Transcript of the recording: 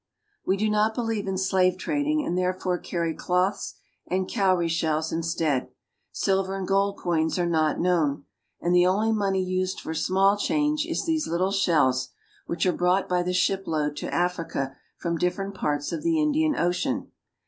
We do not believe in slave trading, and therefore carry cloths and cowrie shells instead. Silver and gold coins are not known ; and the only money used for small change is these little shells, which are brought by the ship load to Africa from different parts of the Indian Ocean.